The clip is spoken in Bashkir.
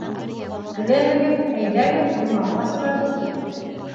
Теләһәгеҙ, әйҙәгеҙ, урманға сығабыҙ.